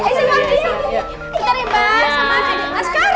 kita ribas sama ascara